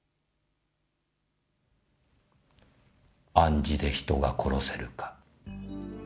暗示で人が殺せるか。